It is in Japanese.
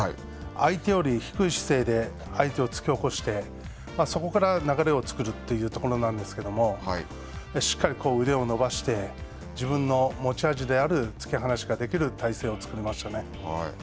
相手より低い姿勢で相手を突き起こして、そこから流れを作るというところなんですけれども、しっかり腕を伸ばして、自分の持ち味である突き放しができる体勢を作りました。